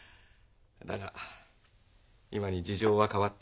だが今に事情は変わってくる。